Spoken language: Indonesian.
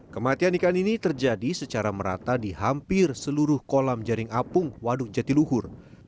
kematian ikan ini terjadi secara merata di hampir seluruh kolam jaring apung waduk jatiluhur